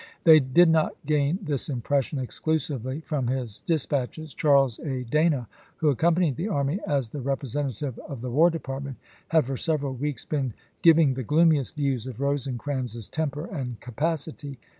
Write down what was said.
They did not gain this impression exclusively from his dispatches. Charles A. Dana, who ac companied the army as the representative of the War Department, had for several weeks been giv ing the gloomiest views of Rosecrans's temper and ^igpSes, capacity.